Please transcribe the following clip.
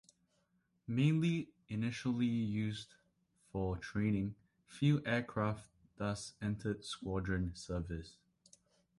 Mainly initially used for training, few aircraft thus entered squadron service.